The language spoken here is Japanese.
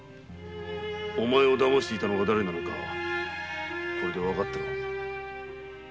お前を騙していたのがだれなのかこれでわかったろう。